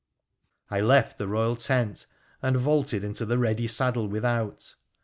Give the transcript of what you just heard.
I left the Eoyal tent and vaulted into the ready saddle without.